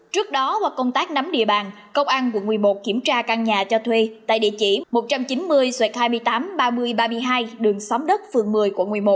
trước đó qua công tác nắm địa bàn công an quận một mươi một kiểm tra căn nhà cho thuê tại địa chỉ một trăm chín mươi hai mươi tám ba mươi ba mươi hai đường xóm đất phường một mươi quận một mươi một